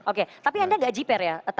oke tapi anda tidak jiper ya